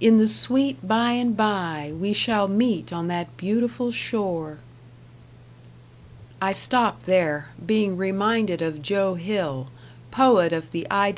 In the sweet bye and bye We shall meet on that beautiful shore I stopped there, being reminded of Joe Hill, poet of the I.